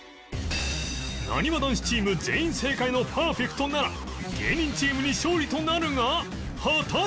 なにわ男子チーム全員正解のパーフェクトなら芸人チームに勝利となるが果たして